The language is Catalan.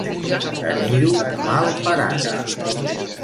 Tenir-ho mal parat.